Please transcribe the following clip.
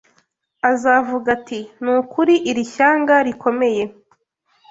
azavuga ati: “Ni ukuri iri shyanga rikomeye